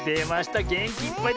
げんきいっぱいですね！